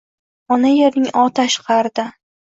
Ona-Yerning otash qa’ridan